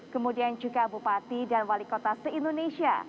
kemudian juga bupati dan wali kota se indonesia